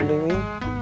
tunggu dulu lah